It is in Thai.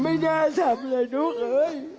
ไม่น่าทำเลยลูกเอ้ย